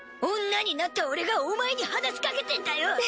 女になった俺がお前に話しかけてんだよ！